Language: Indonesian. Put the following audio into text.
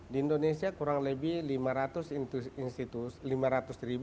di indonesia kurang lebih lima ratus institusi